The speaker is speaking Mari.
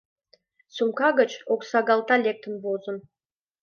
Сумка гыч оксагалта лектын возын.